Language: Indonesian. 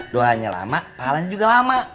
doanya lama pahalanya juga lama